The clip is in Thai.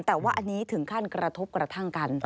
แต่ว่าอันนี้ถึงขั้นกระทบกระทั่งกัน